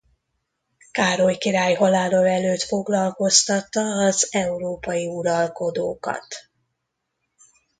Károly király halála előtt foglalkoztatta az európai uralkodókat.